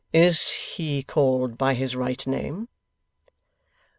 'Is he called by his right name?